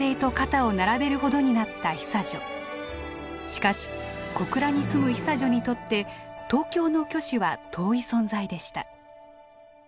しかし小倉に住む久女にとって東京の虚子は遠い存在でした。